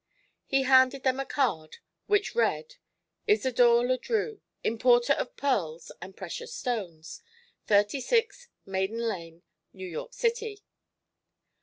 He handed them a card which read: "ISADORE LE DRIEUX Importer of Pearls and Precious Stones 36 Maiden Lane, New York City."